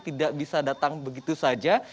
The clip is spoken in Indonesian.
tidak bisa datang begitu saja